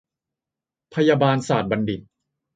พยาบาลศาตรบัณฑิต